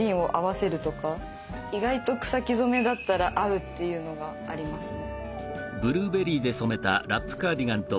意外と草木染めだったら合うっていうのがありますね。